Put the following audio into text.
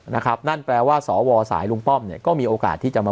นั่นแปลว่าสวสายลุงป้อมเนี่ยก็มีโอกาสที่จะมา